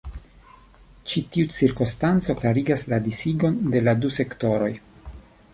Ĉi tiu cirkonstanco klarigas la disigon de la du sektoroj.